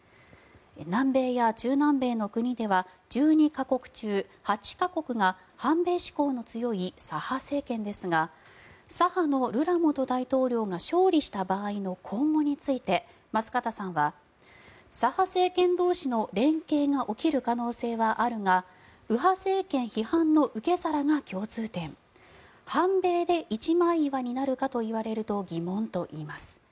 南米や中南米の国では１２か国中８か国が反米志向の強い左派政権ですが左派のルラ元大統領が勝利した場合の今後について舛方さんは、左派政権同士の連携が起きる可能性はあるが右派政権批判の受け皿が共通点反米で一枚岩になるかと言われると疑問といいます。